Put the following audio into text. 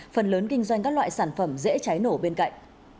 phần lớn kinh doanh các loại sản phẩm dễ cháy nổ bên cạnh